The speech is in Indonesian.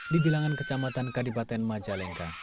di bilangan kecamatan kadipaten majalengka